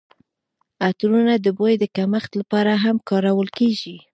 عطرونه د بوی د کمښت لپاره هم کارول کیږي.